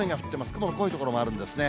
雲の濃い所があるんですね。